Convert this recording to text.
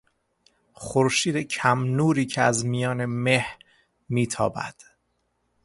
خورشید کم نوری که از میان مه میتابد